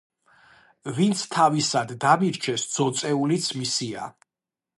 ვინც თავისად დამირჩეს ძოწეულიც მისია.